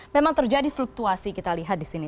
memang terjadi fluktuasi kita lihat disini